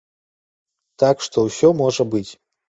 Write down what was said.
Так што ўсё можа быць.